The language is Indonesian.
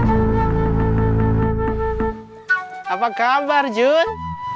apa kabar jun